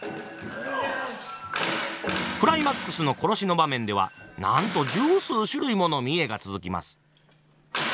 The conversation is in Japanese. クライマックスの殺しの場面ではなんと十数種類もの見得が続きます。